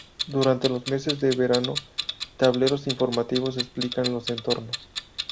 Durante los meses de verano tableros informativos explican los entornos.